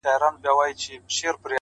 • نن رستم د افسانو په سترګو وینم,